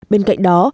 bên cạnh đó